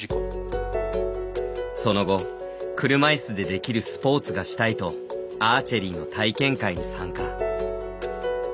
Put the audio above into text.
その後、車いすでできるスポーツがしたいとアーチェリーの体験会に参加。